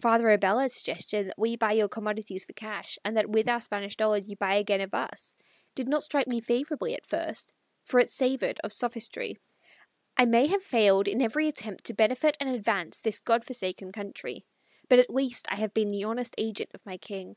Father Abella's suggestion that we buy your commodities for cash, and that with our Spanish dollars you buy again of us, did not strike me favorably at first, for it savored of sophistry. I may have failed in every attempt to benefit and advance this Godforsaken country, but at least I have been the honest agent of my King.